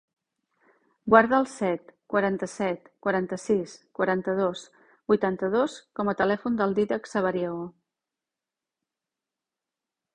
Guarda el set, quaranta-set, quaranta-sis, quaranta-dos, vuitanta-dos com a telèfon del Dídac Sabariego.